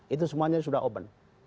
itu semuanya sudah open